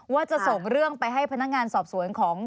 ว่าจะส่งเรื่องไปให้พนักงานสอบสวนของ